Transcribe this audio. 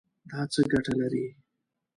دا څه ګټه لري؟